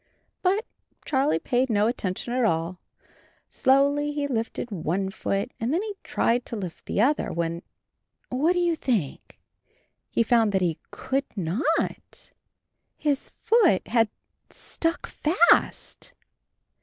But Charlie paid no attention at all. Slowly he lifted one foot, and then he tried to lift the other — when, what do you think? He found that he could not — his foot had stuck fast.